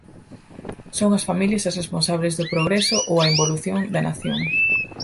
Son as familias as responsables do progreso ou a involución da nación.